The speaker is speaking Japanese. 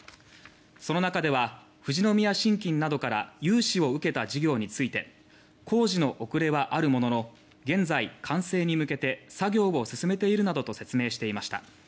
その中では、富士宮信金などから融資を受けた事業について「工事遅れはあるものの現在、完成に向けて作業を進めている」などと説明していました。